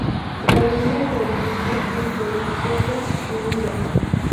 La lengua se originó entre los pueblos yoruba.